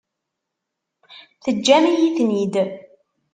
Teǧǧam-iyi-ten-id.